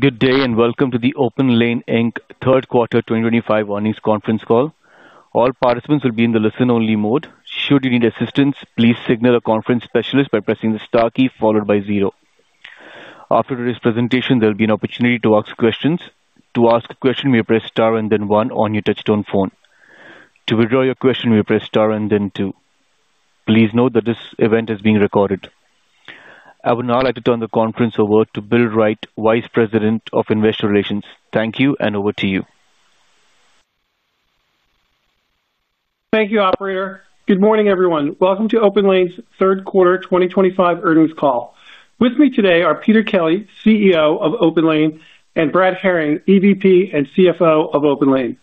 Good day and welcome to the OPENLANE Inc. third quarter 2025 earnings conference call. All participants will be in the listen only mode. Should you need assistance, please signal a conference specialist by pressing the star key followed by zero. After today's presentation, there will be an opportunity to ask questions. To ask a question, press star and then one on your touchstone phone. To withdraw your question, press star and then two. Please note that this event is being recorded. I would now like to turn the conference over to Bill Wright, Vice President of Investor Relations. Thank you. Over to you. Thank you, operator. Good morning everyone. Welcome to OPENLANE's third quarter 2025 earnings call. With me today are Peter Kelly, CEO of OPENLANE, and Brad Herring, EVP and CFO of OPENLANE.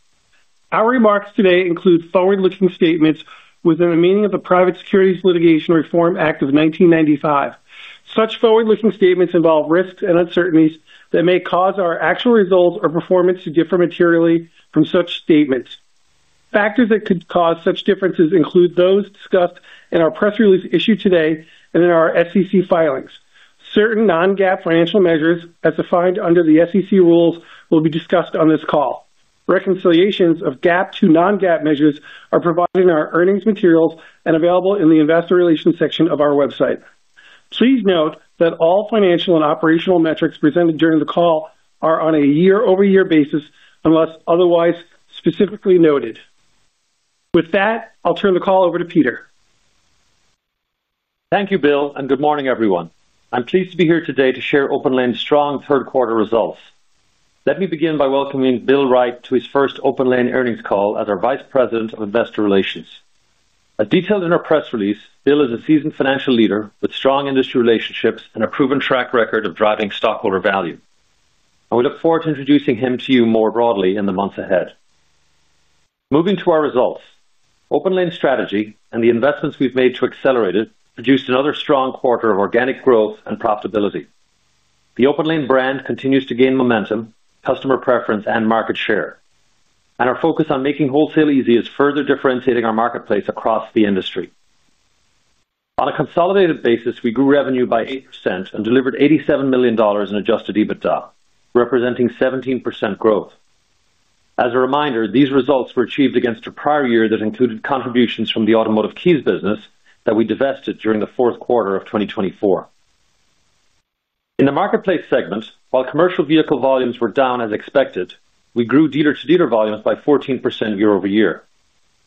Our remarks today include forward-looking statements within the meaning of the Private Securities Litigation Reform Act of 1995. Such forward-looking statements involve risks and uncertainties that may cause our actual results or performance to differ materially from such statements. Factors that could cause such differences include those discussed in our press release issued today and in our SEC filings. Certain non-GAAP financial measures as defined under the SEC rules will be discussed on this call. Reconciliations of GAAP to non-GAAP measures are provided in our earnings materials and available in the Investor Relations section of our website. Please note that all financial and operational metrics presented during the call are on a year-over-year basis unless otherwise specifically noted. With that, I'll turn the call over to Peter. Thank you, Bill, and good morning everyone. I'm pleased to be here today to share OPENLANE's strong third quarter results. Let me begin by welcoming Bill Wright to his first OPENLANE earnings call as our Vice President of Investor Relations. As detailed in our press release, Bill is a seasoned financial leader with strong industry relationships and a proven track record of driving stockholder value, and we look forward to introducing him to you more broadly in the months ahead. Moving to our results, OPENLANE's strategy and the investments we've made to accelerate it produced another strong quarter of organic growth and profitability. The OPENLANE brand continues to gain momentum, customer preference, and market share. Our focus on making wholesale easy is further differentiating our marketplace across the industry. On a consolidated basis, we grew revenue by 8% and delivered $87 million in Adjusted EBITDA, representing 17% growth. As a reminder, these results were achieved against a prior year that included contributions from the automotive keys business and that we divested during the fourth quarter of 2024 in the marketplace segment. While commercial vehicle volumes were down as expected, we grew dealer-to-dealer volumes by 14% year-over-year,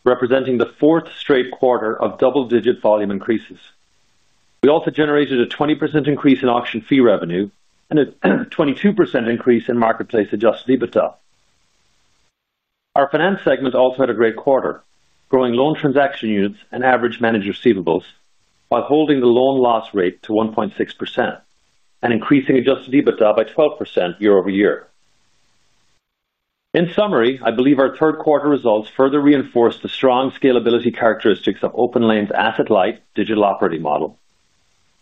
representing the fourth straight quarter of double-digit volume increases. We also generated a 20% increase in auction fee revenue and a 22% increase in marketplace Adjusted EBITDA. Our finance segment also had a great quarter, growing loan transaction units and average managed receivables while holding the loan loss rate to 1.6% and increasing Adjusted EBITDA by 12% year-over-year. In summary, I believe our third quarter results further reinforce the strong scalability characteristics of OPENLANE's asset-light digital operating model.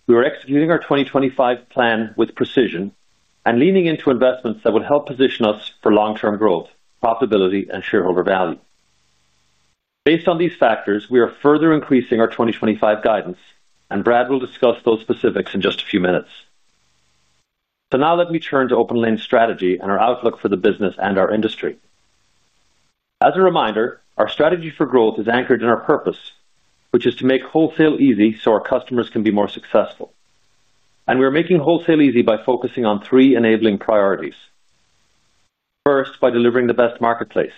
We are executing our 2025 plan with precision and leaning into investments that would help position us for long term growth, profitability, and shareholder value. Based on these factors, we are further increasing our 2025 guidance, and Brad will discuss those specifics in just a few minutes. Now let me turn to OPENLANE's strategy and our outlook for the business and our industry. As a reminder, our strategy for growth is anchored in our purpose, which is to make wholesale easy so our customers can be more successful. We are making wholesale easy by focusing on three enabling priorities. First, by delivering the best marketplace,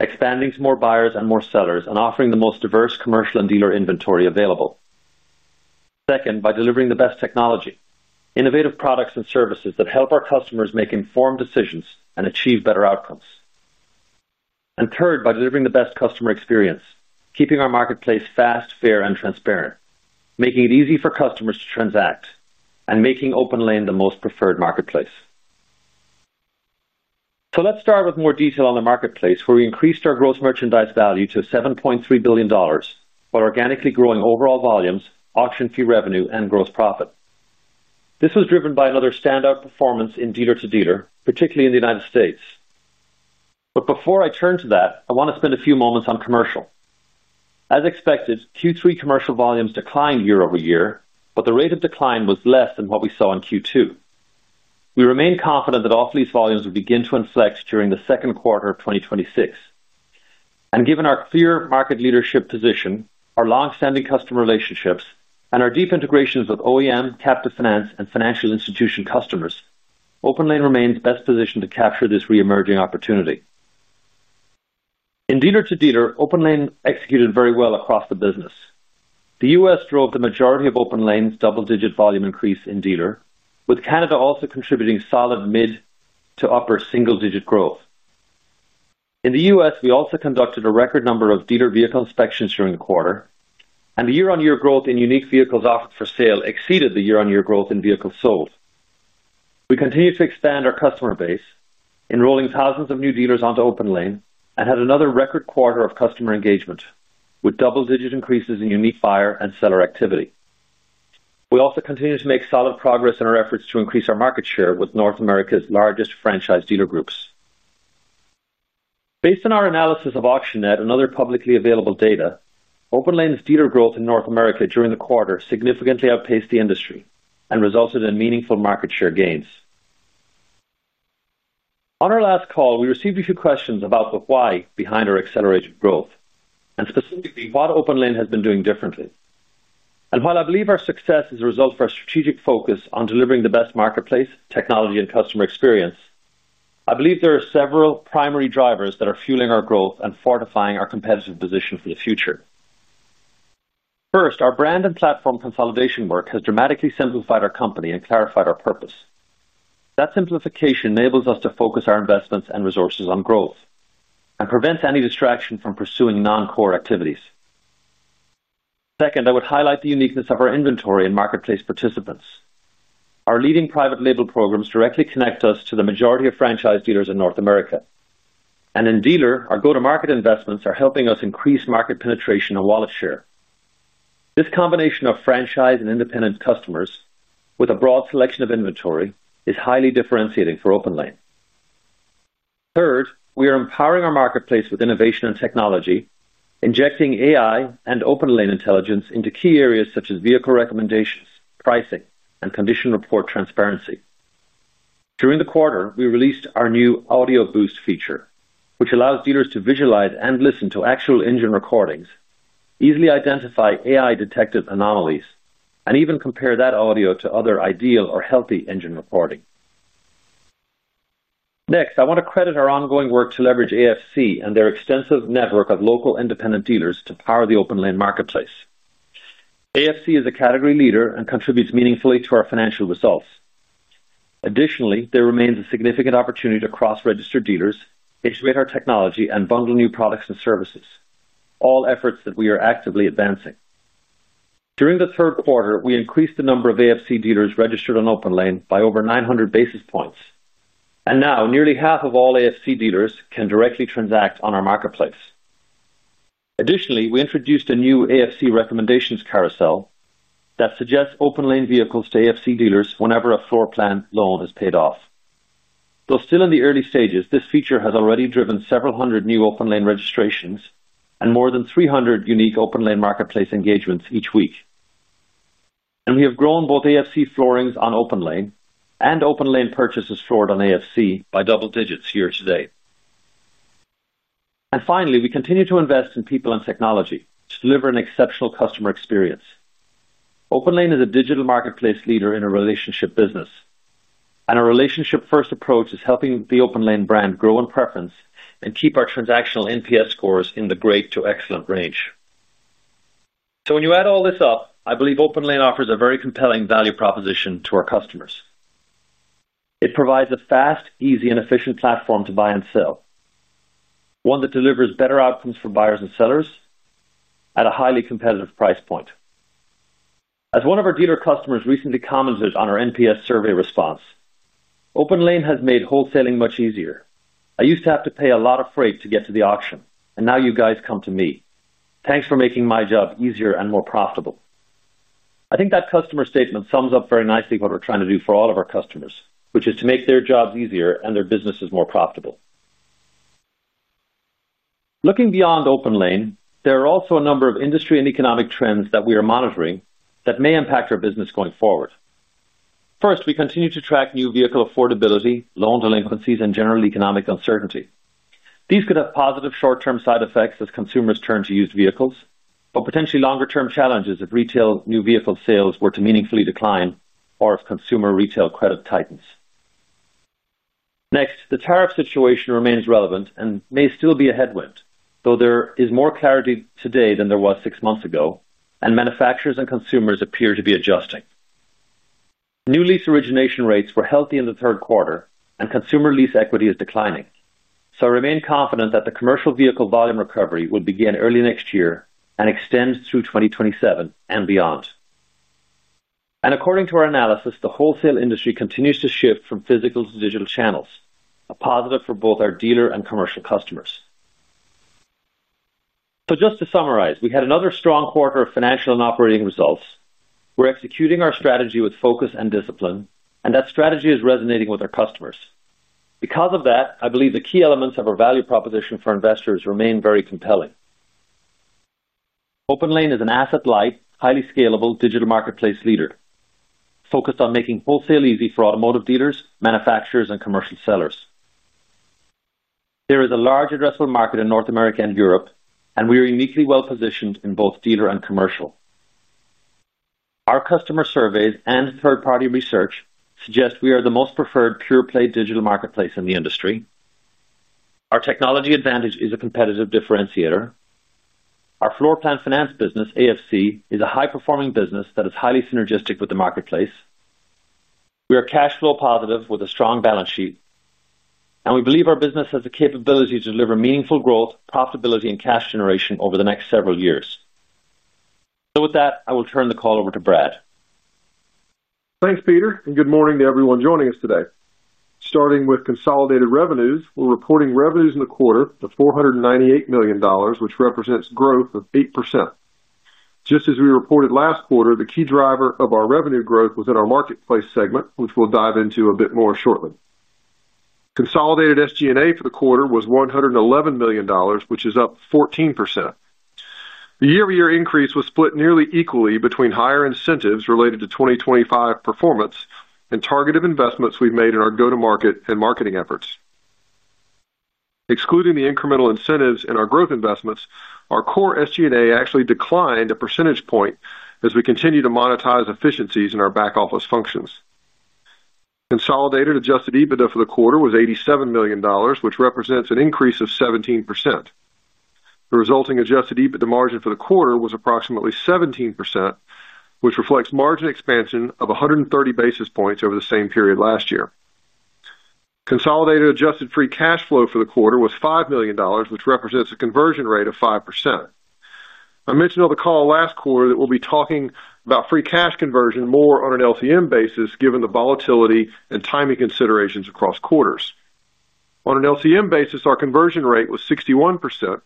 expanding to more buyers and more sellers, and offering the most diverse commercial and dealer inventory available. Second, by delivering the best technology, innovative products and services that help our customers make informed decisions and achieve better outcomes, and third, by delivering the best customer experience, keeping our marketplace fast, fair and transparent, making it easy for customers to transact, and making OPENLANE the most preferred marketplace. Let's start with more detail on the marketplace where we increased our Gross Merchandise Value to $7.3 billion while organically growing overall volumes, auction fee revenue and gross profit. This was driven by another standout performance in dealer-to-dealer, particularly in the United States. Before I turn to that, I want to spend a few moments on commercial. As expected, Q3 commercial volumes declined year-over-year, but the rate of decline was less than what we saw in Q2. We remain confident that off lease volumes will begin to inflect during the second quarter of 2026. Given our clear market leadership position, our long-standing customer relationships, and our deep integrations with OEM, captive finance, and financial institution customers, OPENLANE remains best positioned to capture this reemerging opportunity in dealer-to-dealer. OPENLANE executed very well across the business. The U.S. drove the majority of OPENLANE's double-digit volume increase in dealer, with Canada also contributing solid mid to upper single-digit growth. In the U.S., we also conducted a record number of dealer vehicle inspections during the quarter and the year. Year-on-year growth in unique vehicles offered for sale exceeded the year-on-year growth in vehicles sold. We continue to expand our customer base, enrolling thousands of new dealers onto OPENLANE and had another record quarter of customer engagement with double-digit increases in unique buyer and seller activity. We also continue to make solid progress in our efforts to increase our market share with North America's largest franchise dealer groups. Based on our analysis of AuctionNet and other publicly available data, OPENLANE's dealer growth in North America during the quarter significantly outpaced the industry and resulted in meaningful market share gains. On our last call we received a few questions about the why behind our accelerated growth and specifically what OPENLANE has been doing differently. While I believe our success is a result of our strategic focus on delivering the best marketplace technology and customer experience, I believe there are several primary drivers that are fueling our growth and fortifying our competitive position for the future. First, our brand and platform consolidation work has dramatically simplified our company and clarified our purpose. That simplification enables us to focus our investments and resources on growth and prevents any distraction from pursuing non-core activities. Second, I would highlight the uniqueness of our inventory and marketplace participants. Our leading private label programs directly connect us to the majority of franchise dealers in North America and in dealer our go-to-market investments are helping us increase market penetration and wallet share. This combination of franchise and independent customers with a broad selection of inventory is highly differentiating for OPENLANE. Third, we are empowering our marketplace with innovation and technology, injecting AI and OPENLANE intelligence into key areas such as vehicle recommendations, pricing, and condition report transparency. During the quarter we released our new Audio Boost feature which allows dealers to visualize and listen to actual engine recordings, easily identify AI-detected anomalies, and even compare that audio to other ideal or healthy engine reporting. Next, I want to credit our ongoing work to leverage AFC and their extensive network of local independent dealers to power the OPENLANE Marketplace. AFC is a category leader and contributes meaningfully to our financial results. Additionally, there remains a significant opportunity to cross register dealers, integrate our technology and bundle new products and services, all efforts that we are actively advancing. During the third quarter we increased the number of AFC dealers registered on OPENLANE by over 900 basis points and now nearly half of all AFC dealers can directly transact on our marketplace. Additionally, we introduced a new AFC Recommendations Carousel that suggests OPENLANE vehicles to AFC dealers whenever a floor plan loan has paid off. Though still in the early stages, this feature has already driven several hundred new OPENLANE registrations and more than 300 unique OPENLANE Marketplace engagements each week, and we have grown both AFC floorings on OPENLANE and OPENLANE purchases floored on AFC by double digits year to date. Finally, we continue to invest in people and technology to deliver an exceptional customer experience. OPENLANE is a digital marketplace leader in a relationship business, and our relationship first approach is helping the OPENLANE brand grow in preference and keep our transactional NPS scores in the great to excellent range. When you add all this up, I believe OPENLANE offers a very compelling value proposition to our customers. It provides a fast, easy, and efficient platform to buy and sell, one that delivers better outcomes for buyers and sellers at a highly competitive price point. As one of our dealer customers recently commented on our NPS survey response, OPENLANE has made wholesaling much easier. I used to have to pay a lot of freight to get to the auction and now you guys come to me. Thanks for making my job easier and more profitable. I think that customer statement sums up very nicely what we're trying to do for all of our customers, which is to make their jobs easier and their businesses more profitable. Looking beyond OPENLANE, there are also a number of industry and economic trends that we are monitoring that may impact our business going forward. First, we continue to track new vehicle affordability, loan delinquencies and general economic uncertainty. These could have positive short term side effects as consumers turn to used vehicles or potentially longer term challenges if retail new vehicle sales were to meaningfully decline or if consumer retail credit tightens. Next, the tariff situation remains relevant and may still be a headwind, though there is more clarity today than there was six months ago and manufacturers and consumers appear to be adjusting. New lease origination rates were healthy in the third quarter and consumer lease equity is declining. I remain confident that the commercial vehicle volume recovery will begin early next year and extend through 2027 and beyond. According to our analysis, the wholesale industry continues to shift from physical to digital channels, a positive for both our dealer and commercial customers. Just to summarize, we had another strong quarter of financial and operating results. We're executing our strategy with focus and discipline and that strategy is resonating with our customers. Because of that, I believe the key elements of our value proposition for investors remain very compelling. OPENLANE is an asset light, highly scalable digital marketplace leader focused on making wholesale easy for automotive dealers, manufacturers and commercial sellers. There is a large addressable market in North America and Europe and we are uniquely well positioned in both dealer and commercial. Our customer surveys and third party research suggest we are the most preferred pure play digital marketplace in the industry. Our technology advantage is a competitive differentiator. Our floor plan finance business AFC is a high performing business that is highly synergistic with the marketplace. We are cash flow positive with a strong balance sheet and we believe our business has the capability to deliver meaningful growth, profitability and cash generation over the next several years. With that I will turn the call over to Brad. Thanks Peter and good morning to everyone joining us today. Starting with consolidated revenues, we're reporting revenues in the quarter of $498 million which represents growth of 8%. Just as we reported last quarter. The key driver of our revenue growth was in our marketplace segment, which we'll dive into a bit more shortly. Consolidated SG&A for the quarter was $111 million which is up 14%. The year-over-year increase was split nearly equally between higher incentives related to 2025 performance and targeted investments we've made in our go to market and marketing efforts. Excluding the incremental incentives and our growth investments, our core SG&A actually declined a percentage point as we continue to monetize efficiencies in our back office functions. Consolidated Adjusted EBITDA for the quarter was $87 million, which represents an increase of 17%. The resulting Adjusted EBITDA margin for the quarter was approximately 17%, which reflects margin expansion of 130 basis points over the same period last year. Consolidated adjusted free cash flow for the quarter was $5 million, which represents a conversion rate of 5%. I mentioned on the call last quarter that we'll be talking about free cash conversion more on an LTM basis given the volatility and timing considerations across quarters. On an LTM basis, our conversion rate was 61%,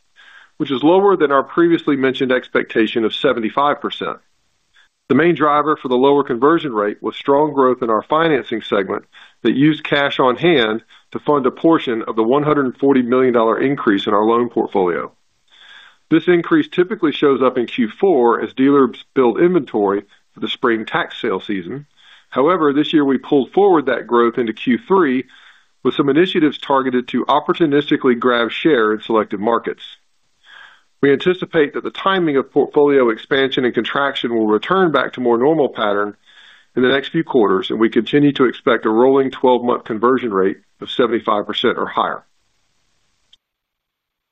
which is lower than our previously mentioned expectation of 75%. The main driver for the lower conversion rate was strong growth in our financing segment that used cash on hand to fund a portion of the $140 million increase in our loan portfolio. This increase typically shows up in Q4 as dealers build inventory for the spring tax sale season. However, this year we pulled forward that growth into Q3 with some initiatives targeted to opportunistically grab share in selective markets. We anticipate that the timing of portfolio expansion and contraction will return back to a more normal pattern in the next few quarters and we continue to expect a rolling 12-month conversion rate of 75% or higher.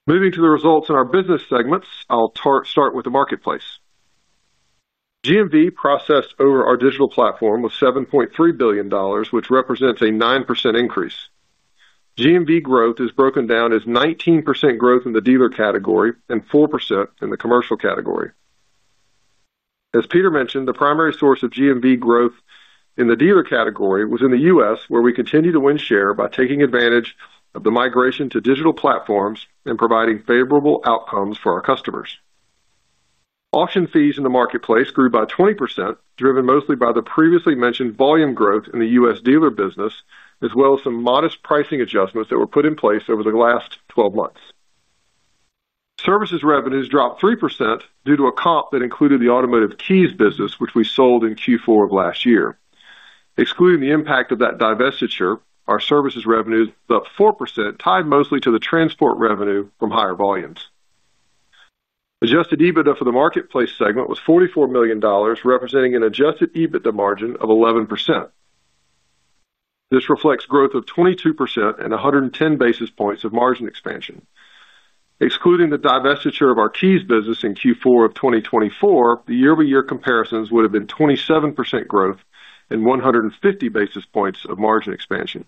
Moving to the results in our business segments, I'll start with the marketplace. GMV processed over our digital platform was $7.3 billion, which represents a 9% increase. GMV growth is broken down as 19% growth in the dealer category and 4% in the commercial category. As Peter mentioned, the primary source of GMV growth in the dealer category was in the U.S. where we continue to win share by taking advantage of the migration to digital platforms and providing favorable outcomes for our customers. Auction fees in the Marketplace grew by 20%, driven mostly by the previously mentioned volume growth in the U.S. Dealer business result as well as some modest pricing adjustments that were put in place over the last 12 months. Services revenues dropped 3% due to a comp that included the automotive keys business which we sold in Q4 of last year. Excluding the impact of that divestiture, our services revenue up 4% tied mostly to the transport revenue from higher volumes. Adjusted EBITDA for the Marketplace segment was $44 million, representing an Adjusted EBITDA margin of 11%. This reflects growth of 22% and 110 basis points of margin expansion. Excluding the divestiture of our keys business in Q4 of 2024, the year-over-year comparisons would have been 27% growth and 150 basis points of margin expansion.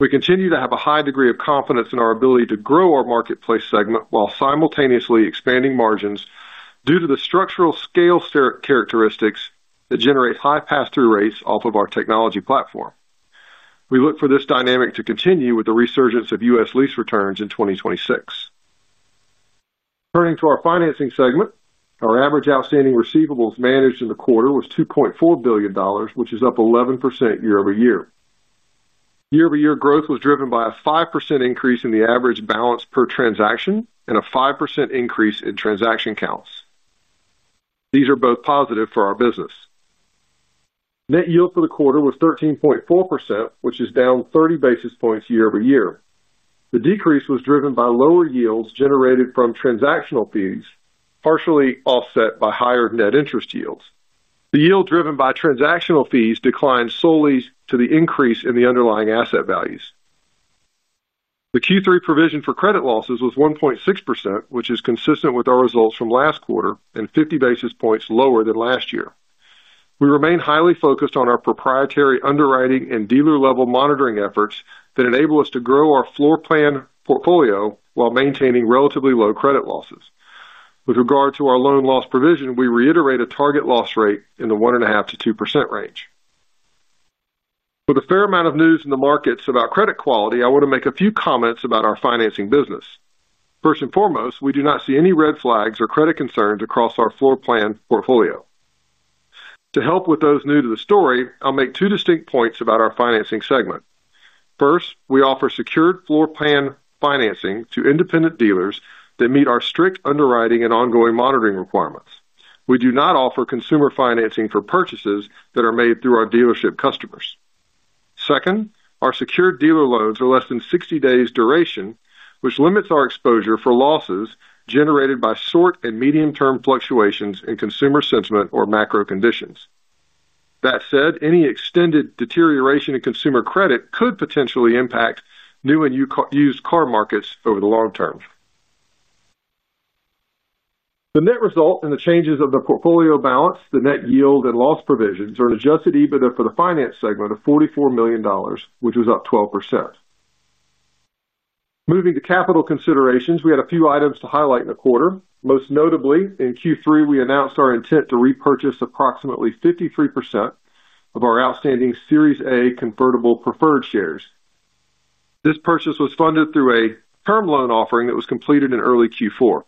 We continue to have a high degree of confidence in our ability to grow our marketplace segment while simultaneously expanding margins due to the structural scale characteristics that generate high pass through rates off of our technology platform. We look for this dynamic to continue with the resurgence of U.S. lease returns in 2026. Turning to our financing segment, our average outstanding receivables managed in the quarter was $2.4 billion, which is up 11% year-over-year. Year-over-year growth was driven by a 5% increase in the average balance per transaction and a 5% increase in transaction counts. These are both positive for our business. Net yield for the quarter was 13.4% which is down 30 basis points year-over-year. The decrease was driven by lower yields generated from transactional fees, partially offset by higher net interest yields. The yield driven by transactional fees declined solely to the increase in the underlying asset values. The Q3 provision for credit losses was 1.6% which is consistent with our results from last quarter and 50 basis points lower than last year. We remain highly focused on our proprietary underwriting and dealer level monitoring efforts that enable us to grow our floor plan portfolio while maintaining relatively low credit losses. With regard to our loan loss provision, we reiterate a target loss rate in the 1.5%-2% range. With a fair amount of news in the markets about credit quality, I want to make a few comments about our financing business. First and foremost, we do not see any red flags or credit concerns across our floor plan portfolio. To help with those new to the story, I'll make two distinct points about our financing segment. First, we offer secured floor plan financing to independent dealers that meet our strict underwriting and ongoing monitoring requirements. We do not offer consumer financing for purchases that are made through our dealership customers. Second, our secured dealer loans are less than 60 days duration, which limits our exposure for losses generated by short and medium term fluctuations in consumer sentiment or macro conditions. That said, any extended deterioration in consumer credit could potentially impact new and used car markets over the long term. The net result and the changes of the portfolio balance, the net yield and loss provisions are an Adjusted EBITDA for the finance segment of $44 million, which was up 12%. Moving to capital considerations, we had a few items to highlight in the quarter. Most notably in Q3 we announced our intent to repurchase approximately 53% of our outstanding Series A Convertible preferred shares. This purchase was funded through a term loan offering that was completed in early Q4.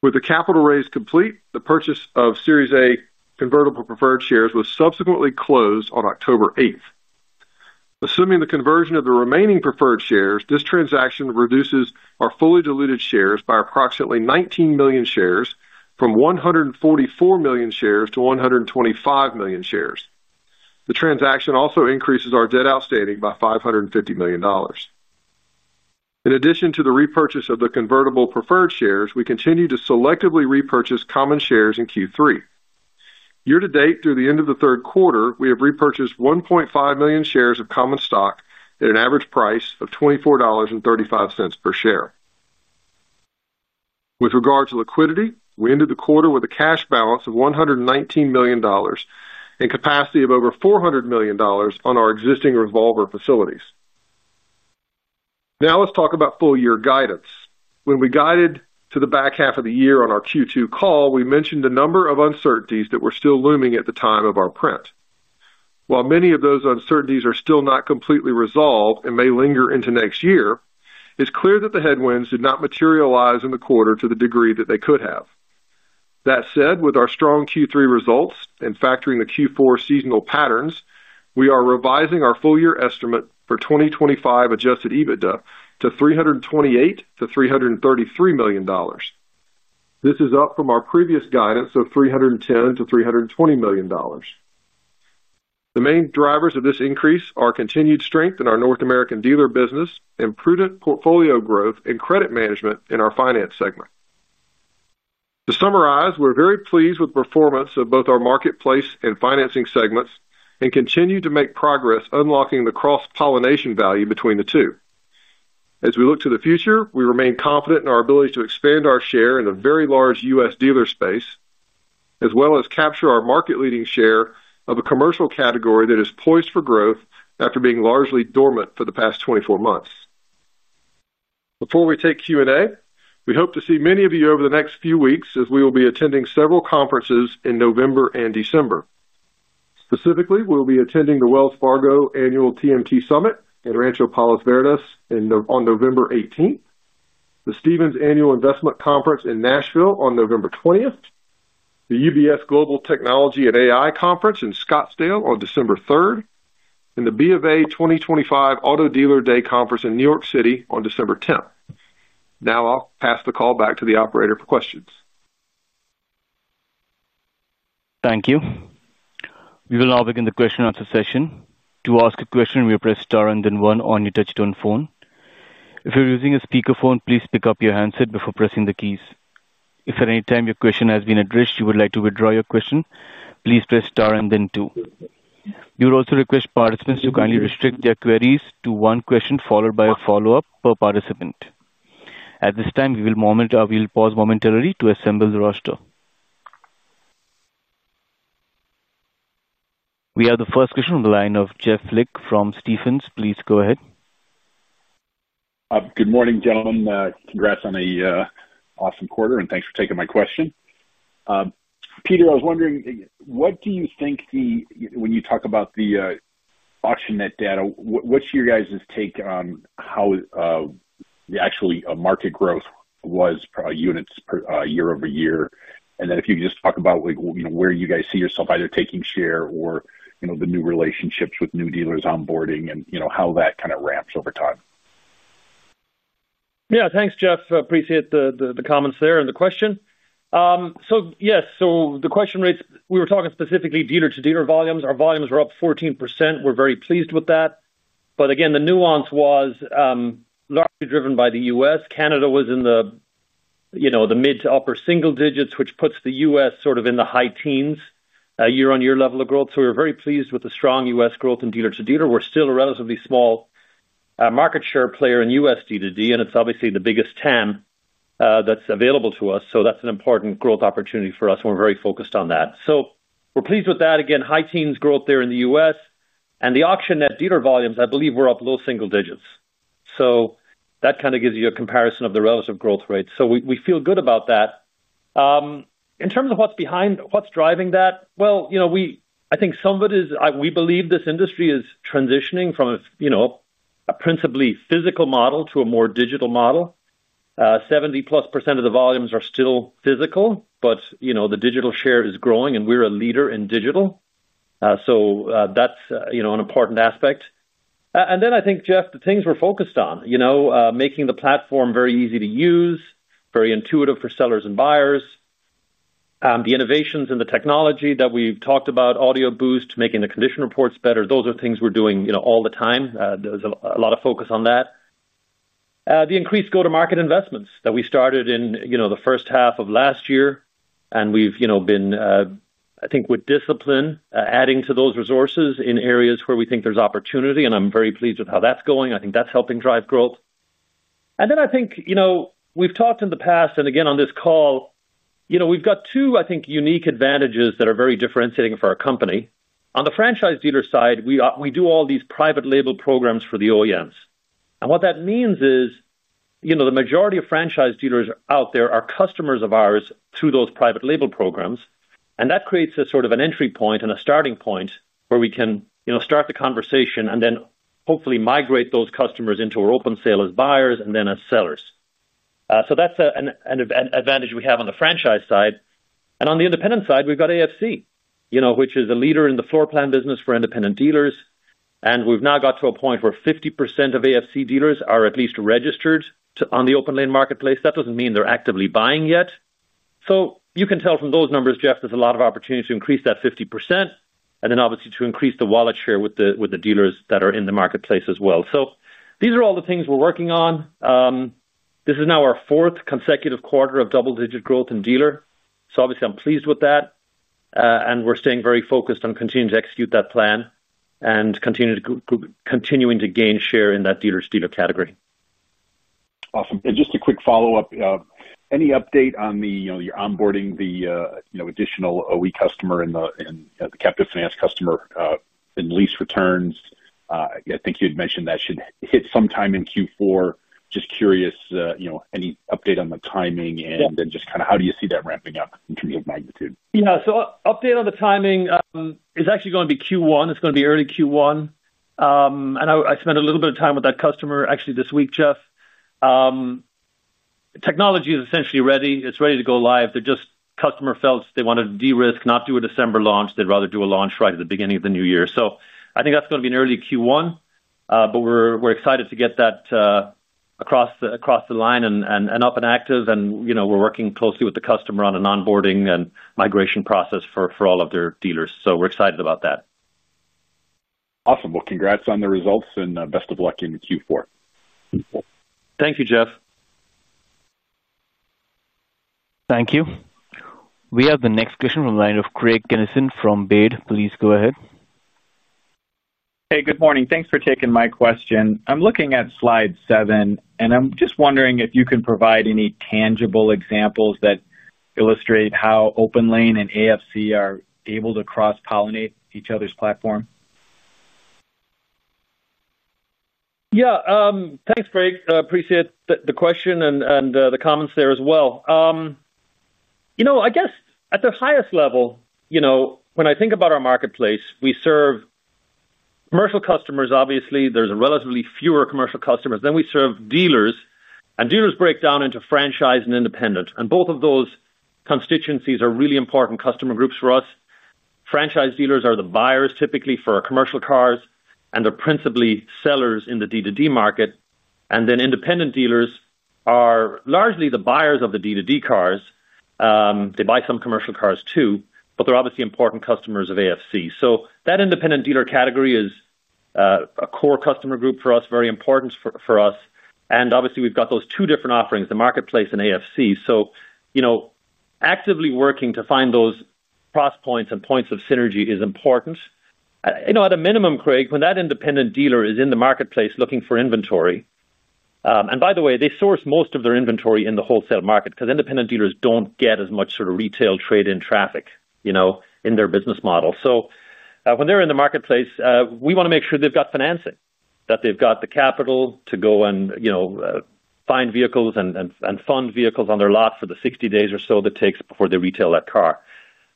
With the capital raise complete, the purchase of Series A Convertible preferred shares was subsequently closed on October 8. Assuming the conversion of the remaining preferred shares, this transaction reduces our fully diluted shares by approximately 19 million shares from 144 million shares to 125 million shares. The transaction also increases our debt outstanding by $550 million. In addition to the repurchase of the convertible preferred shares, we continue to selectively repurchase common shares in Q3 year to date, through the end of the third quarter, we have repurchased 1.5 million shares of common stock at an average price of $24.35 per share. With regard to liquidity, we ended the quarter with a cash balance of $119 million and capacity of over $400 million on our existing revolver facilities. Now let's talk about full year guidance. When we guided to the back half of the year on our Q2 call, we mentioned a number of uncertainties that were still looming at the time of our print. While many of those uncertainties are still not completely resolved and may linger into next year, it's clear that the headwinds did not materialize in the quarter to the degree that they could have. That said, with our strong Q3 results and factoring the Q4 seasonal patterns, we are revising our full year estimate for 2025 Adjusted EBITDA to $328 million-$333 million. This is up from our previous guidance of $310 million-$320 million. The main drivers of this increase are continued strength in our North American dealer business and prudent portfolio growth and credit management in our finance segment. To summarize, we're very pleased with the performance of both our marketplace and financing segments and continue to make progress unlocking the cross pollination value between the two. As we look to the future, we remain confident in our ability to expand our share in a very large US dealer space as well as capture our market leading share of a commercial category that is poised for growth after being largely dormant for the past 24 months. Before we take Q&A, we hope to see many of you over the next few weeks as we will be attending several conferences in November and December. Specifically, we will be attending the Wells Fargo Annual TMT Summit in Rancho Palos Verdes on November 18, the Stephens Annual Investment Conference in Nashville on November 20th, the UBS Global Technology and AI Conference in Scottsdale on December 3rd, and the BofA 2025 Auto Dealer Day Conference in New York City on December 10. Now I'll pass the call back to the operator for questions. Thank you. We will now begin the question and answer session. To ask a question, please press Star and then one on your touchtone phone. If you are using a speakerphone, please pick up your handset before pressing the keys. If at any time your question has been addressed or you would like to withdraw your question, please press Star and then two. We also request participants to kindly restrict their queries to one question followed by a follow-up per participant. At this time, we will pause momentarily to assemble the roster. We have the first question on the line of Jeff Lick from Stephens. Please go ahead. Good morning, gentlemen. Congrats on a awesome quarter, and thanks for taking my question. Peter, I was wondering what do you think when you talk about the AuctionNet data, what's your guys' take on how the actual market growth was units per year-over-year? If you just talk about where you guys see yourself either taking share or, you know, the new relationships with new dealers onboarding and, you know, how that kind of ramps over time. Yeah. Thanks, Jeff. Appreciate the comments there and the question. Yes, the question rates, we were talking specifically dealer-to-dealer volumes. Our volumes were up 14%. We're very pleased with that. Again, the nuance was largely driven by the U.S. Canada was in the, you know, the mid to upper single digits, which puts the U.S. sort of in the high teens year-on-year level of growth. We were very pleased with the strong U.S. growth in dealer-to-dealer. We're still a relatively small market share player in U.S. D2D, and it's obviously the biggest TAM that's available to us. That's an important growth opportunity for us. We're very focused on that. We're pleased with that. Again, high teens growth there in the U.S., and the AuctionNet dealer volumes, I believe, were up low single digits. That kind of gives you a comparison of the relative growth rate. We feel good about that. In terms of what's behind, what's driving that? You know, I think some of it is we believe this industry is transitioning from a principally physical model to a more digital model. Seventy plus % of the volumes are still physical, but the digital share is growing and we're a leader in digital. That's an important aspect. I think, Jeff, the things we're focused on are making the platform very easy to use, very intuitive for sellers and buyers. The innovations in the technology that we've talked about, Audio Boost, making the condition reports better, those are things we're doing all the time. There's a lot of focus on that. The increased go to market investments that we started in the first half of last year and we've been, I think, with discipline adding to those resources in areas where we think there's opportunity. I'm very pleased with how that's going. I think that's helping drive growth. I think we've talked in the past and again on this call, we've got two, I think, unique advantages that are very differentiating for our company. On the franchise dealer side, we do all these private label programs for the OEMs. What that means is the majority of franchise dealers out there are customers of ours through those private label programs. That creates a sort of an entry point and a starting point where we can start the conversation and then hopefully migrate those customers into our open sale as buyers and then as sellers. That's an advantage we have on the franchise side and on the independent side we've got AFC, you know, which is a leader in the floor plan business for independent dealers. We've now got to a point where 50% of AFC dealers are at least registered on the OPENLANE Marketplace. That doesn't mean they're actively buying yet. You can tell from those numbers, Jeff, there's a lot of opportunity to increase that 50% and then obviously to increase the wallet share with the dealers that are in the marketplace as well. These are all the things we're working on. This is now our fourth consecutive quarter of double-digit growth in dealer. Obviously I'm pleased with that and we're staying very focused on continuing to execute that plan and continuing to gain share in that dealer-to-dealer category. Awesome. Just a quick follow up. Any update on the, you know, you're onboarding the, you know, additional OE customer and the captive finance customer and lease returns? I think you had mentioned that should hit sometime in Q4. Just curious, you know, any update on the timing and then just kind of how do you see that ramping up in terms of magnitude? Yeah, so update on the timing is actually going to be Q1. It's going to be early Q1 and I spent a little bit of time with that customer actually this week Jeff. Technology is essentially ready. It's ready to go live. The customer felt they wanteD2De-risk, not do a December launch. They'd rather do a launch right at the beginning of the new year. I think that's going to be an early Q1, but we're excited to get that across the line and up and active, and we're working closely with the customer on an onboarding and migration process for all of their dealers. We're excited about that. Awesome. Congrats on the results and best of luck in Q4. Thank you, Jeff. Thank you. We have the next question from the line of Craig Kennison from Baird. Please go ahead. Hey, good morning. Thanks for taking my question. I'm looking at slide 7 and I'm just wondering if you can provide any tangible examples that illustrate how OPENLANE and AFC are able to cross pollinate each other's platform. Yeah, thanks Craig. Appreciate the question and the comments there as well. You know, I guess at the highest level, you know, when I think about our marketplace, we serve commercial customers. Obviously there's a relatively fewer commercial customers than we serve dealers and dealers break down into franchise and independent. And both of those constituencies are really important customer groups for us. Franchise dealers are the buyers typically for commercial cars and they're principally sellers in the D2D market. And then independent dealers are largely the buyers of the D2D cars. They buy some commercial cars too, but they're obviously important customers of AFC. That independent dealer category is a core customer group for us. Very important for us. Obviously, we've got those two different offerings, the marketplace and AFC. Actively working to find those cross points and points of synergy is important. At a minimum, Craig, when that independent dealer is in the marketplace looking for inventory—and by the way, they source most of their inventory in the wholesale market because independent dealers do not get as much sort of retail trade-in traffic in their business model—when they're in the marketplace, we want to make sure they've got financing, that they've got the capital to go and, you know, find vehicles and fund vehicles on their lot for the 60 days or so that it takes before they retail that car.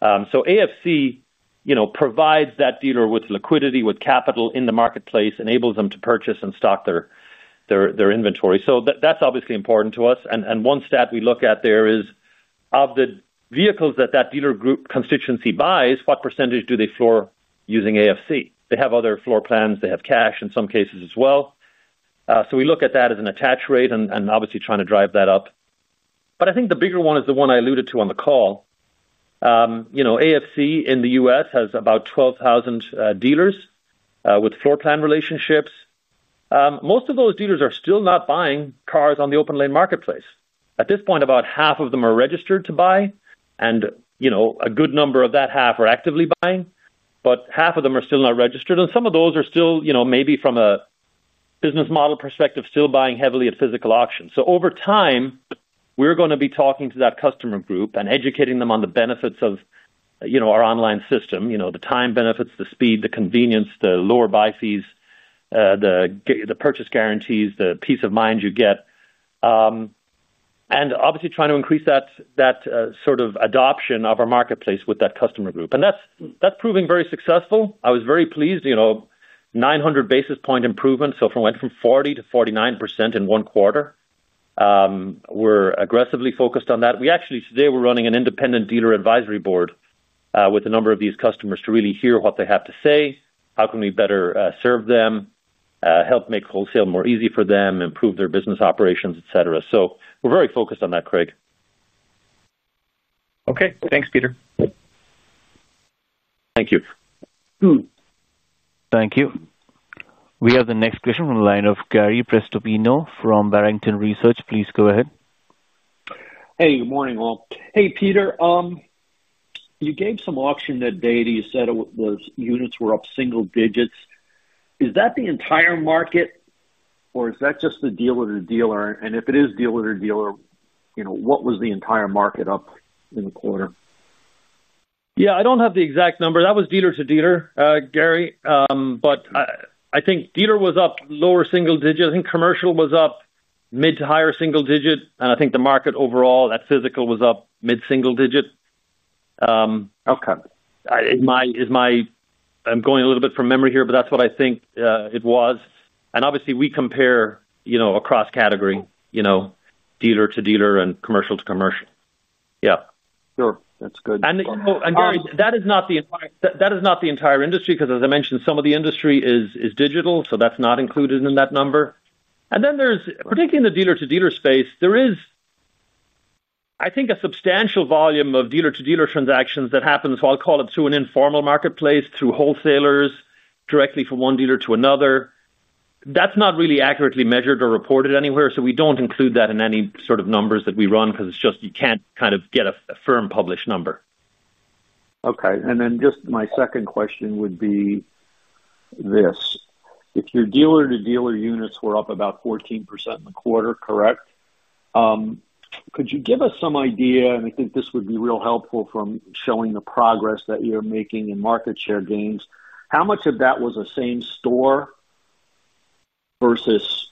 AFC, you know, provides that dealer with liquidity, with capital in the marketplace, enables them to purchase and stock their inventory. That is obviously important to us. One stat we look at there is, of the vehicles that that dealer group constituency buys, what percentage do they floor using AFC? They have other floor plans, they have cash in some cases as well. We look at that as an attach rate and obviously are trying to drive that up. I think the bigger one is the one I alluded to on the call. You know, AFC in the U.S. has about 12,000 dealers with floor plan relationships. Most of those dealers are still not buying cars on the OPENLANE Marketplace at this point. About half of them are registered to buy and a good number of that half are actively buying, but half of them are still not registered. Some of those are still maybe from a business model perspective, still buying heavily at physical auctions. Over time we're going to be talking to that customer group and educating them on the benefits of our online system. The time benefits, the speed, the convenience, the lower buy fees, the purchase guarantees, the peace of mind you get. Obviously trying to increase that sort of adoption of our marketplace with that customer group. That's proving very successful. I was very pleased. You know, 900 basis point improvement so went from 40%-49% in one quarter. We're aggressively focused on that. We actually today we're running an independent dealer advisory board with a number of these customers to really hear what they have to say. How can we better serve them, help make wholesale more easy for them, improve their business operations, et cetera. We are very focused on that, Craig. Okay, thanks, Peter. Thank you. Thank you. We have the next question from the line of Gary Prestopino from Barrington Research. Please go ahead. Hey, good morning all. Hey, Peter, you gave some auction net data. You said those units were up single digits. Is that the entire market or is that just the dealer to dealer? And if it is dealer to dealer, what was the entire market up in the quarter? Yeah, I don't have the exact number that was dealer to dealer, Gary, but I think dealer was up lower single digit. I think commercial was up mid to higher single digit. And I think the market overall at physical was up mid single digit. Okay. I'm going a little bit from memory here, but that's what I think it was. And obviously we compare, you know, across category, you know, dealer to dealer and commercial to commercial. Yeah, sure, that's good. That is not the entire industry because as I mentioned, some of the industry is digital, so that's not included in that number. Then, particularly in the dealer-to-dealer space, there is, I think, a substantial volume of dealer-to-dealer transactions that happens, I'll call it through an informal marketplace through wholesalers, directly from one dealer to another. That's not really accurately measured or reported anywhere. We do not include that in any sort of numbers that we run because you just can't kind of get a firm published number. Okay, and then just my second question would be this. If your dealer-to-dealer units were up about 14% in the quarter. Correct. Could you give us some idea? I think this would be real helpful from showing the progress that you're making in market share gains. How much of that was the same store versus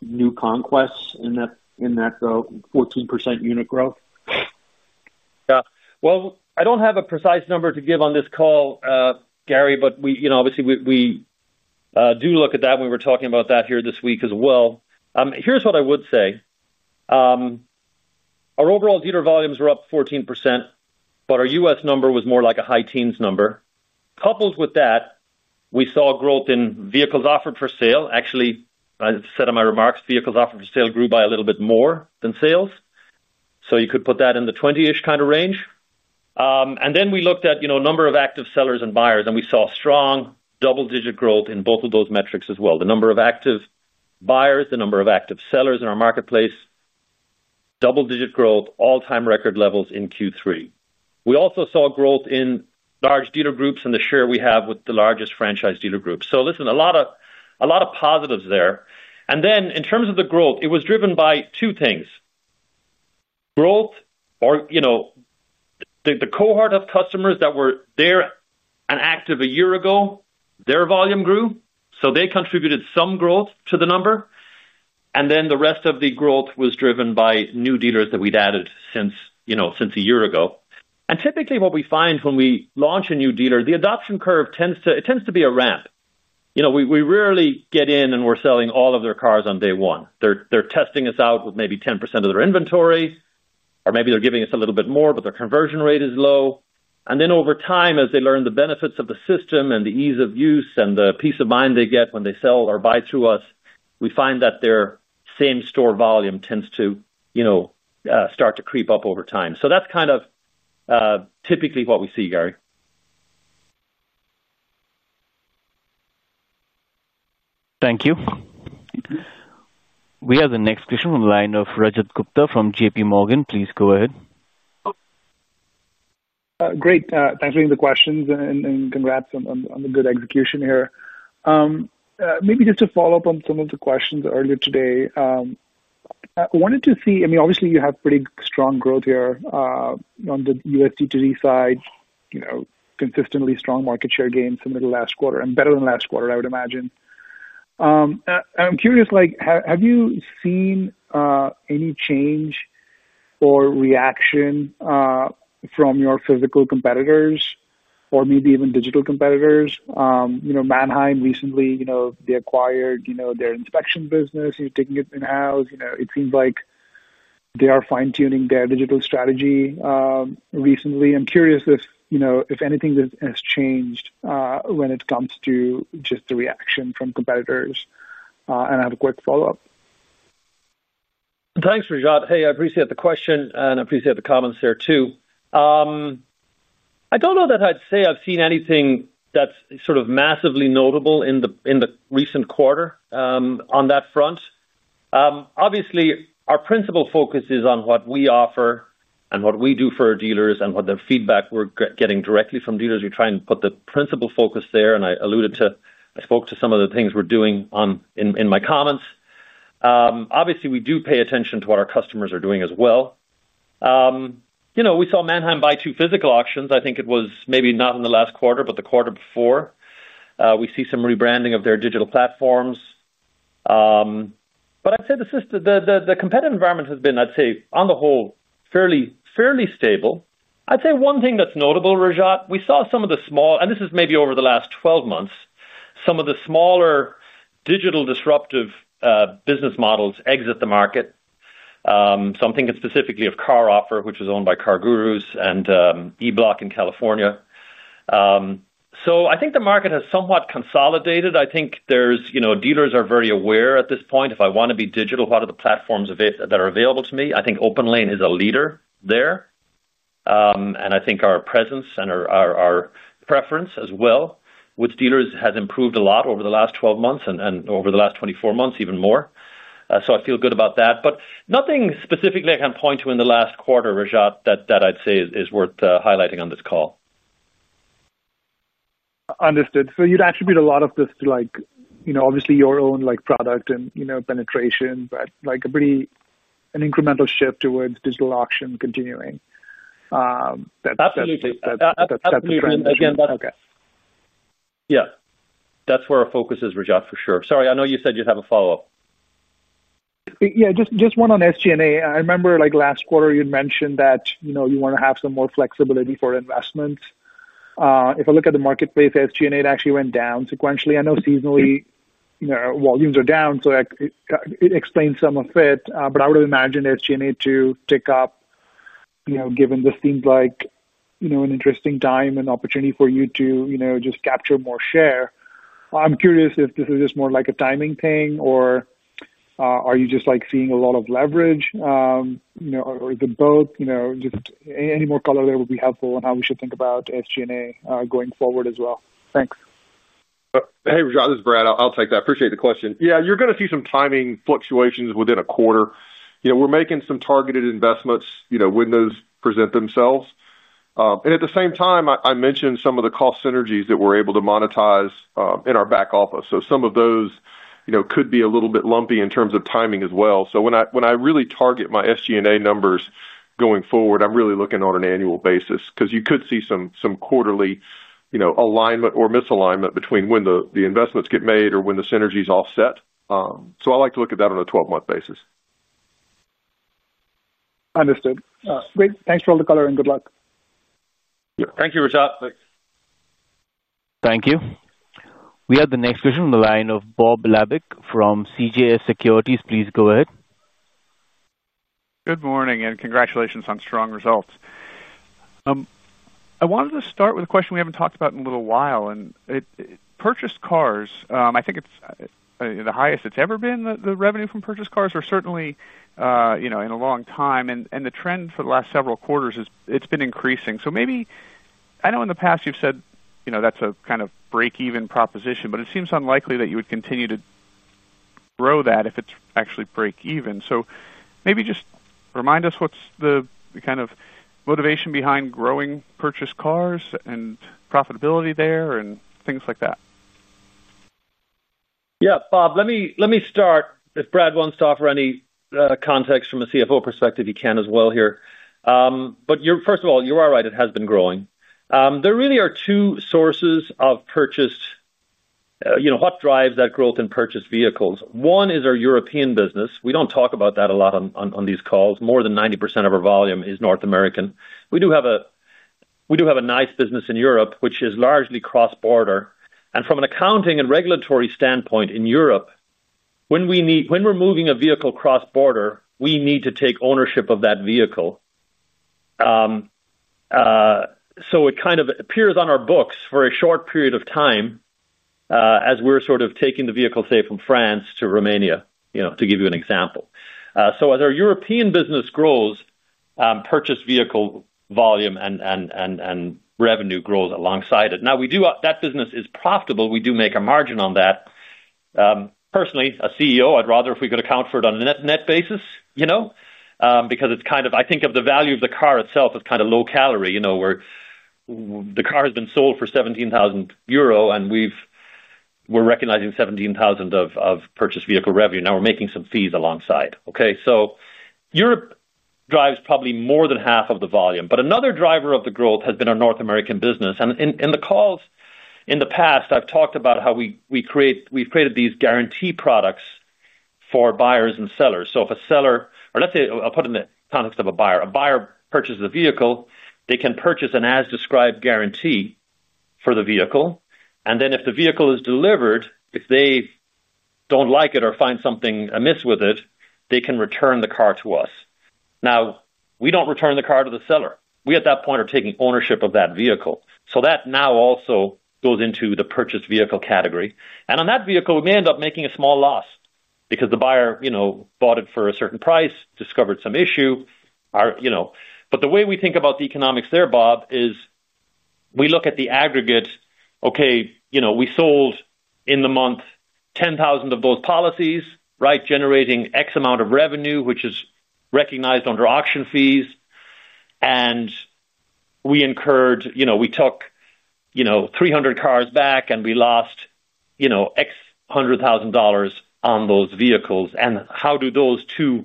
new conquests in that 14% unit growth? I do not have a precise number to give on this call, Gary, but obviously we do look at that. We were talking about that here this week as well. Here is what I would say. Our overall dealer volumes were up 14%, but our US number was more like a high teens number. Coupled with that, we saw growth in vehicles offered for sale. Actually, I said in my remarks, vehicles offered for sale grew by a little bit more than sales. You could put that in the 20% kind of range. Then we looked at, you know, number of active sellers and buyers and we saw strong double digit growth in both of those metrics as well. The number of active buyers, the number of active sellers in our marketplace, double digit growth, all-time record levels in Q3. We also saw growth in large dealer groups and the share we have with the largest franchise dealer groups. Listen, a lot of positives there. In terms of the growth, it was driven by two things, growth or, you know, the cohort of customers that were there and active a year ago, their volume grew, so they contributed some growth to the number. The rest of the growth was driven by new dealers that we'd added since, you know, since a year ago. Typically what we find when we launch a new dealer, the adoption curve tends to, it tends to be a ramp. You know, we rarely get in and we're selling all of their cars on day one. They're testing us out with maybe 10% of their inventory or maybe they're giving us a little bit more, but their conversion rate is low. Then over time, as they learn the benefits of the system and the ease of use and the peace of mind they get when they sell or buy through us, we find that their same store volume tends to, you know, start to creep up over time. That's kind of typically what we see. Gary. Thank you. We have the next question from the line of Rajat Gupta from JPMorgan. Please go ahead. Great. Thanks for the questions and congrats on the good execution here. Maybe just to follow up on some of the questions earlier today, I wanted to see. I mean, obviously you have pretty strong growth here on the USDT side. Consistently strong market share gains similar to last quarter and better than last quarter, I would imagine. I'm curious, like, have you seen any change or reaction from your physical competitors or maybe even digital competitors, Manheim, recently they acquired their inspection business. You're taking it in house. It seems like they are fine tuning their digital strategy recently. I'm curious if anything has changed when it comes to just the reaction from competitors. I have a quick follow up. Thanks, Rajat. Hey, I appreciate the question and appreciate the comments there too. I don't know that I'd say I've seen anything that's sort of massively notable in the recent quarter on that front. Obviously our principal focus is on what we offer and what we do for our dealers and what the feedback we're getting directly from dealers. We try and put the principal focus there. I alluded to, I spoke to some of the things we're doing in my comments. Obviously we do pay attention to what our customers are doing as well. You know, we saw Manheim buy two physical auctions. I think it was maybe not in the last quarter, but the quarter before. We see some rebranding of their digital platforms. I'd say the system, the competitive environment has been, I'd say on the whole, fairly stable. I'd say one thing that's notable, Rajat. We saw some of the small, and this is maybe over the last 12 months, some of the smaller digital disruptive business models exit the market. Something specifically of CarOffer, which is owned by CarGurus, and eBlock in California. I think the market has somewhat consolidated. I think there's, you know, dealers are very aware at this point, if I want to be digital, what are the platforms that are available to me? I think OPENLANE is a leader there, and I think our presence and our preference as well with dealers has improved a lot over the last 12 months and over the last 24 months even more so. I feel good about that, but nothing specifically I can point to in the last quarter, Rajat, that I'd say is worth highlighting on this call. Understood. You'd attribute a lot of this to, like, you know, obviously your own, like, product and, you know, penetration, but, like, a pretty, an incremental shift towards digital auction continuing. Absolutely, yeah. That's where our focus is, Rajat, for sure. Sorry, I know you said you'd have a follow up. Yeah, just one. On SG&A, I remember like last quarter you'd mentioned that, you know, you want to have some more flexibility for investments. If I look at the marketplace, SG&A actually went down sequentially. I know seasonally volumes are down, so it explains some of it. I would have imagined SG&A to tick up, you know, given this seems like, you know, an interesting time and opportunity for you to, you know, just capture more share. I'm curious if this is just more like a timing thing or are you just like seeing a lot of leverage, you know, or is it both? You know, just any more color there will be helpful on how we should think about SG&A going forward as well. Thanks. Hey, Rajat, this is Brad. I'll take that. Appreciate the question. Yeah, you're going to see some timing fluctuations within a quarter. You know, we're making some targeted investments. You know, windows present themselves and at the same time I mentioned some of the cost synergies that we're able to monetize in our back office. Some of those, you know, could be a little bit lumpy in terms of timing as well. When I really target my SG&A numbers going forward, I'm really looking on an annual basis because you could see some quarterly, you know, alignment or misalignment between when the investments get made or when the synergies offset. I like to look at that on a 12 month basis. Understood. Great. Thanks for all the color and good luck. Thank you, Rajat. Thank you. We have the next question on the line of Bob Labick from CJS Securities. Please go ahead. Good morning and congratulations on strong results. I wanted to start with a question we haven't talked about in a little while and purchased cars, I think it's the highest it's ever been, the revenue from purchased cars or certainly, you know, in a long time. The trend for the last several quarters, it's been increasing. Maybe, I know in the past you've said, you know, that's a kind of break even proposition, but it seems unlikely that you would continue to grow that if it's actually breakeven. Maybe just remind us what's the kind of motivation behind growing purchased cars and profitability there and things like that. Yeah, Bob, let me start. If Brad wants to offer any context from a CFO perspective, he can as well here. First of all, you are right, it has been growing. There really are two sources of purchased, you know, what drives that growth in purchased vehicles. One is our European business. We do not talk about that a lot on these calls. More than 90% of our volume is North American. We do have a nice business in Europe which is largely cross border. From an accounting and regulatory standpoint in Europe, when we are moving a vehicle cross border, we need to take ownership of that vehicle. It kind of appears on our books for a short period of time as we are sort of taking the vehicle, say from France to Romania, to give you an example. As our European business grows, purchased vehicle volume and revenue grow alongside it. Now, we do, that business is profitable. We do make a margin on that. Personally, as CEO, I'd rather if we could account for it on a net, net basis, you know, because it's kind of, I think of the value of the car itself as kind of low calorie, you know, where the car has been sold for 17,000 euro and we've, we're recognizing 17,000 of purchased vehicle revenue. Now we're making some fees alongside. Europe drives probably more than half of the volume. Another driver of the growth has been our North American business. In the calls in the past I've talked about how we, we create, we've created these guarantee products for buyers and sellers. If a seller, or let's say I'll put in the context of a buyer, a buyer purchases a vehicle, they can purchase an as described guarantee for the vehicle. If the vehicle is delivered, if they like it or find something amiss with it, they can return the car to us. Now we don't return the car to the seller. We at that point are taking ownership of that vehicle. That now also goes into the purchased vehicle category. On that vehicle we may end up making a small loss because the buyer, you know, bought it for a certain price, discovered some issue, you know. The way we think about the economics there, Bob, is we look at the aggregate, okay, you know, we sold in the month 10,000 of those policies, right, generating X amount of revenue, which is recognized under auction fees. We incurred, you know, we took, you know, 300 cars back and we lost, you know, X hundred thousand dollars on those vehicles. How do those two,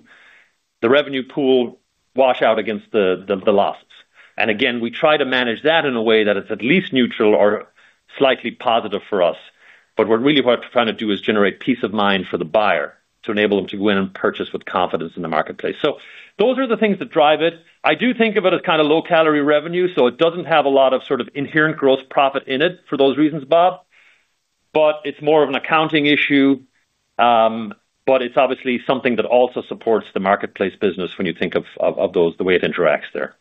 the revenue pool, wash out against the losses? Again, we try to manage that in a way that it's at least neutral or slightly positive for us. What we're really trying to do is generate peace of mind for the buyer to enable them to go in and purchase with confidence in the marketplace. Those are the things that drive it. I do think of it as kind of low calorie revenue. It does not have a lot of sort of inherent gross profit in it for those reasons, Bob, but it is more of an accounting issue. It is obviously something that also supports the marketplace business when you think of those, the way it interacts there.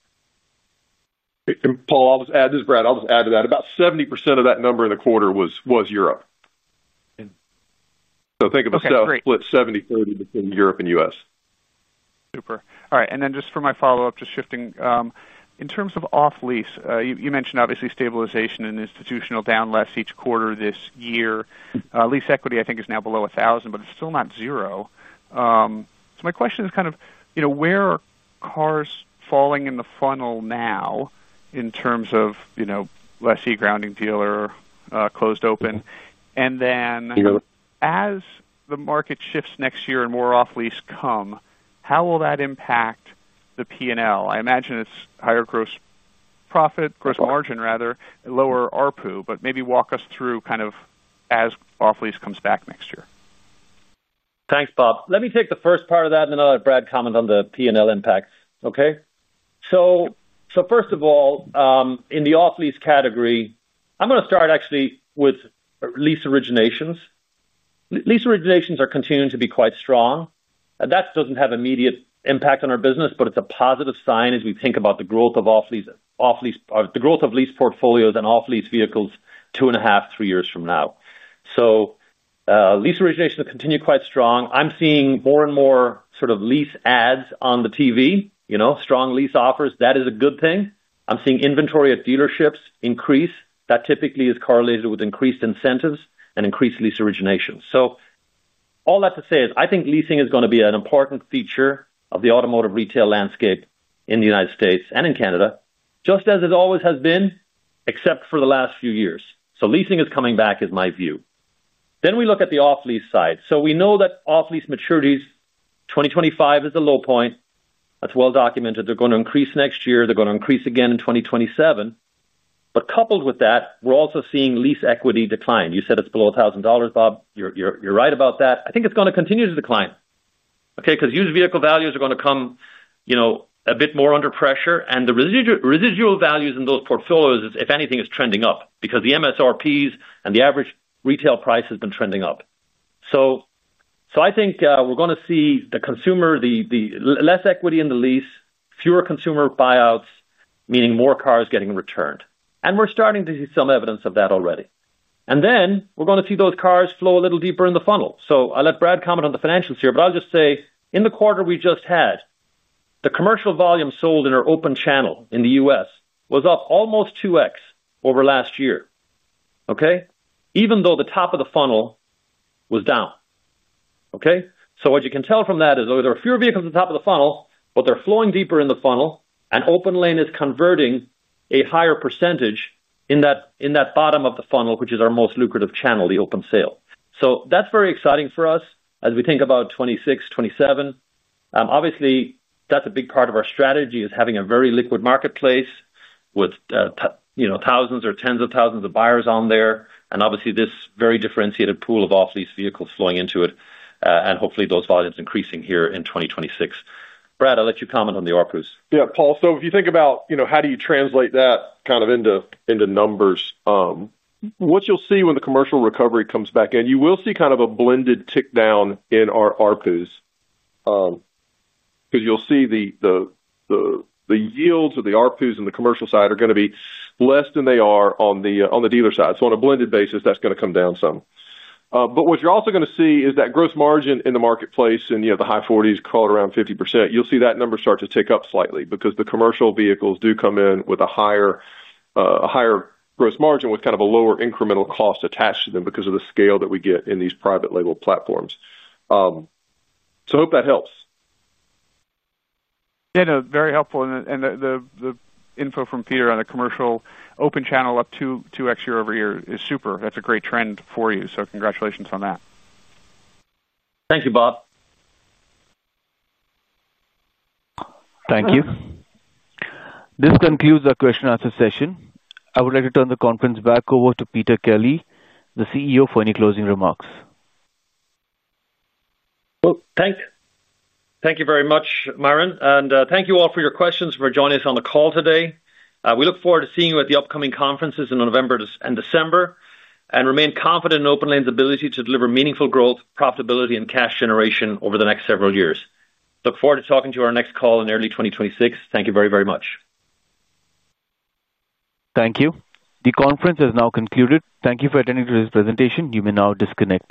Paul, I'll just add this, Brad, I'll just add to that about 70% of that number in the quarter was Europe. Think of a split, 70/30 between Europe and U.S. Super. All right. Just for my follow up, just shifting in terms of off lease, you mentioned, obviously stabilization and institutional down less each quarter this year. Lease equity I think is now below $1,000, but it's still not zero. My question is kind of, you know, where cars are falling in the funnel now in terms of, you know, lessee grounding, dealer closed, open. As the market shifts next year and more off lease come, how will that impact the P&L? I imagine it's higher gross profit, gross margin, rather lower ARPU. Maybe walk us through kind of as off lease comes back next year. Thanks, Bob. Let me take the first part of that and then I'll let Brad comment on the P and L impact. Okay, first of all, in the off lease category, I'm going to start actually with lease originations. Lease originations are continuing to be quite strong. That does not have immediate impact on our business, but it's a positive sign as we think about the growth of off lease, off lease, the growth of lease portfolios and off lease vehicles two and a half, three years from now. Lease originations continue quite strong. I'm seeing more and more sort of lease ads on the TV, you know, strong lease offers. That is a good thing. I'm seeing inventory at dealerships increase. That typically is correlated with increased incentives and increased lease origination. All that to say is I think leasing is going to be an important feature of the automotive retail landscape in the United States and in Canada, just as it always has been, except for the last few years. Leasing is coming back is my view. We look at the off lease side. We know that off lease maturities 2025 is the low point. That is well documented. They are going to increase next year, they are going to increase again in 2027. Coupled with that, we are also seeing lease equity decline. You said it is below $1,000, Bob, you are right about that. I think it is going to continue to decline. Okay. Because used vehicle values are going to come, you know, a bit more under pressure and the residual values in those portfolios, if anything, is trending up because the MSRPs and the average retail price has been trending up. I think we're going to see the consumer, the less equity in the lease, fewer consumer buyouts, meaning more cars getting returned. We're starting to see some evidence of that already. We're going to see those cars flow a little deeper in the funnel. I'll let Brad comment on the financials here, but I'll just say in the quarter we just had, the commercial volume sold in our open channel in the U.S. was up almost 2x over last year. Okay. Even though the top of the funnel was down. Okay. What you can tell from that is there are fewer vehicles on top of the funnel, but they are flowing deeper in the funnel. And OPENLANE is converting a higher percentage in that, in that bottom of the funnel, which is our most lucrative channel, the open sale. That is very exciting for us as we think about 2026, 2027. Obviously that is a big part of our strategy, having a very liquid marketplace with, you know, thousands or tens of thousands of buyers on there and obviously this very differentiated pool of off lease vehicles flowing into it and hopefully those volumes increasing here in 2026. Brad, I will let you comment on the ARPUs. Yeah, Paul, so if you think about, you know, how do you translate that kind of into numbers, what you'll see when the commercial recovery comes back in, you will see kind of a blended tick down in our ARPUs because you'll see the yields of the ARPUs in the commercial side are going to be less than they are on the dealer side. On a blended basis that's going to come down some. What you're also going to see is that gross margin in the marketplace and, you know, the high 40s, call it around 50%. You'll see that number start to tick up slightly because the commercial vehicles do come in with a higher, a higher gross margin with kind of a lower incremental cost attached to them because of the scale that we get in these private label platforms. Hope that helps. Yeah, very helpful. And the info from Peter on the commercial open channel up to 2x year-over-year is super. That's a great trend for you. Congratulations on that. Thank you, Bob. Thank you. This concludes our question and answer session. I would like to turn the conference back over to Peter Kelly, the CEO, for any closing remarks. Thank you very much, Myron. Thank you all for your questions, for joining us on the call today. We look forward to seeing you at the upcoming conferences in November and December and remain confident in OPENLANE's ability to deliver meaningful growth, profitability, and cash generation over the next several years. Look forward to talking to you on our next call in early 2026. Thank you very, very much. Thank you. The conference has now concluded. Thank you for attending today's presentation. You may now disconnect.